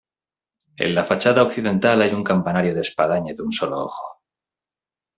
En la fachada occidental hay un campanario de espadaña de un solo ojo.